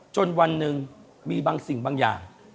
จนวันหนึ่งมีบางสิ่งบางอย่าง